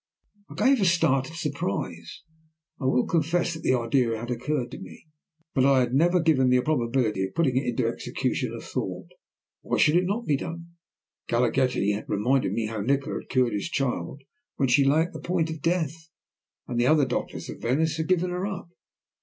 I gave a start of surprise. I will confess that the idea had occurred to me, but I had never given the probability of putting it into execution a thought. Why should it not be done? Galaghetti had reminded me how Nikola had cured his child when she lay at the point of death, and the other doctors of Venice had given her up.